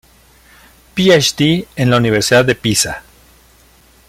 PhD en la Universidad de Pisa.